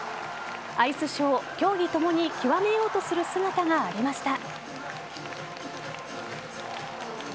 アイスショー、競技ともに極めようとする姿がありました。